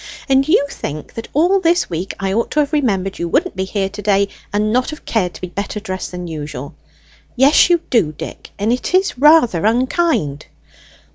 And you think that all this week I ought to have remembered you wouldn't be here to day, and not have cared to be better dressed than usual. Yes, you do, Dick, and it is rather unkind!"